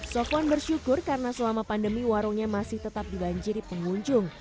sofwan bersyukur karena selama pandemi warungnya masih tetap dibanjiri pengunjung